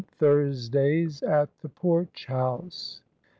THURSDAYS AT THE PORCH HOUSE.